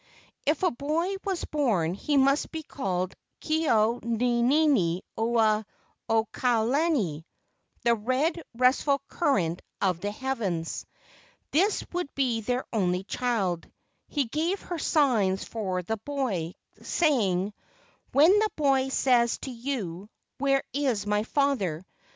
If a boy was born he must be called Ke au nini ula o ka lani (The red, restful current of the heavens). This would be their only child. He gave her signs for the boy, saying, "When the boy says to you, 'Where is my father?